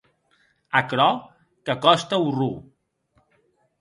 Aquerò que còste orror.